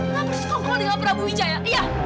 enggak berskongkol dengan prabu wijaya iya